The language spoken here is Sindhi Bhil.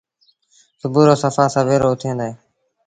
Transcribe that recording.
سُڀو رو سڦآ سويرو اُٿيٚن ديٚݩ۔